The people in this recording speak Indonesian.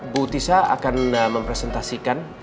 bu tisa akan mempresentasikan